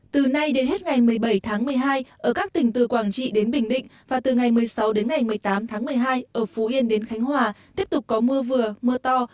từ nay đến hết ngày một mươi bảy tháng một mươi hai ở các tỉnh từ quảng trị đến bình định và từ ngày một mươi sáu đến ngày một mươi tám tháng một mươi hai ở phú yên đến khánh hòa tiếp tục có mưa vừa mưa to